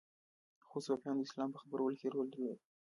خو صوفیانو د اسلام په خپرولو کې رول درلود